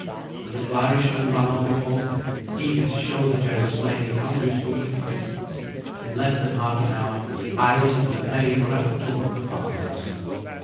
The little Irishman ran on before her, eager to show the generous lady how useful he could be. In less than half an hour, Iris and her maid were at the door of the farm house.